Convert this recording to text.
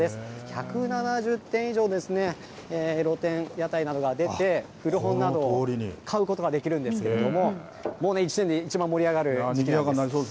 １７０店以上露店、屋台などが出て、古本などを買うことができるんですけれども、もうね、１年で一番盛り上がる時期なんです。